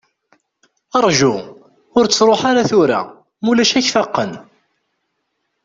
Rju, ur ttruḥ ara tura, ma ulac ad k-faqen.